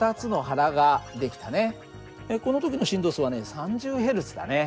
この時の振動数はね３０Ｈｚだね。